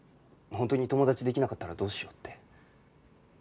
本当に友達できなかったらどうしようって。